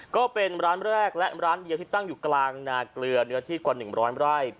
ก็เป็นร้านแรกและร้านเดียวที่ตั้งอยู่กลางนาเกลือเนื้อที่กว่า๑๐๐ไร่